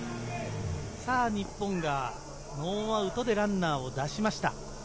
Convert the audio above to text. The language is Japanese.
日本がノーアウトでランナーを出しました。